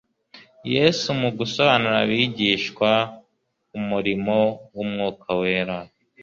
Yesu mu gusobanurira abigishwa umurimo w'Umwuka wera,